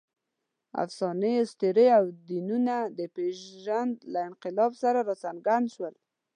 افسانې، اسطورې او دینونه د پېژند له انقلاب سره راڅرګند شول.